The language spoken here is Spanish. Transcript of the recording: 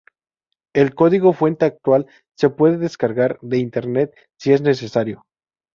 El código fuente actual se puede descargar de Internet si es necesario.